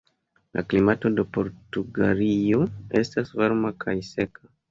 La klimato de Portugalio estas varma kaj seka.